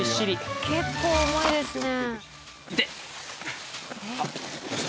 結構重いですね。